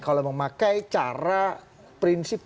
kalau memakai cara prinsip